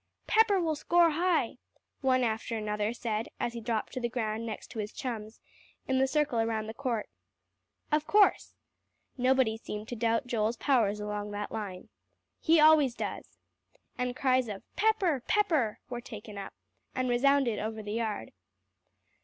"Pepper will score high," one after another said as he dropped to the ground next to his chums, in the circle around the court. "Of course." Nobody seemed to doubt Joel's powers along that line. "He always does." And cries of "Pepper Pepper," were taken up, and resounded over the yard.